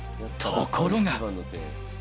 ところが。